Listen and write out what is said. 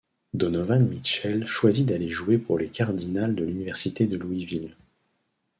Donovan Mitchell choisit d'aller jouer pour les Cardinals de l'université de Louisville.